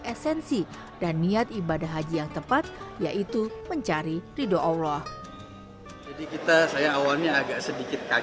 esensi dan niat ibadah haji yang tepat yaitu mencari ridho allah jadi kita saya awalnya agak sedikit